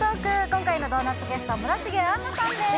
今回のドーナツゲストは村重杏奈さんです